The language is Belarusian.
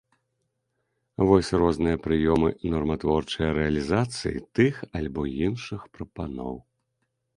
Вось розныя прыёмы норматворчыя рэалізацыі тых альбо іншых прапаноў.